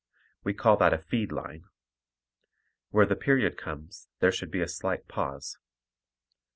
We call that a feed line. Where the period comes there should be a slight pause.